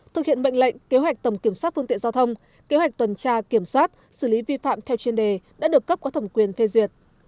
thực hiện bệnh lệnh kế hoạch tầm kiểm soát phương tiện giao thông kế hoạch tuần tra kiểm soát xử lý vi phạm theo chuyên đề đã được cấp có thẩm quyền phê duyệt